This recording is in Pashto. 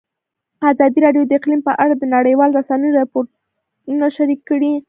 ازادي راډیو د اقلیم په اړه د نړیوالو رسنیو راپورونه شریک کړي.